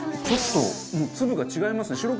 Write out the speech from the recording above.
ちょっともう粒が違いますね。